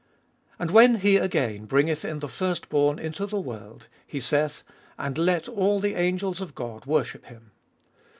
And when He again bringeth in the firstborn into the world, He saith, And let all the angels of God worship Him.